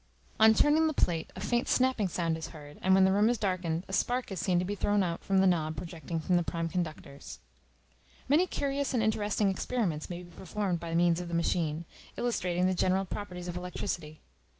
On turning the plate, a faint snapping sound is heard, and when the room is darkened, a spark is seen to be thrown out from the knob projecting from the prime conductors. Many curious and interesting experiments may be performed by means of the machine, illustrating the general properties of electricity.